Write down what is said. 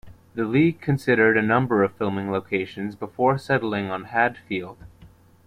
The League considered a number of filming locations before settling on Hadfield.